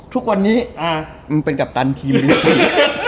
ทุกวันนี้มึงเป็นกัปตันทีมลิฟซี